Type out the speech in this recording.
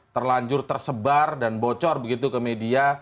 terlanjur tersebar dan bocor begitu ke media